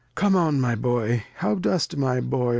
Come on my Boy, how dost my Boy